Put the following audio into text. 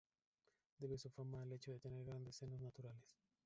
Debe su fama al hecho de tener grandes senos naturales.